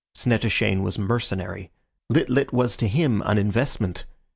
Snettishane was mercenary. Lit lit was to him an investment.